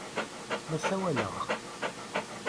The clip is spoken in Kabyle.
La ssewwayeɣ!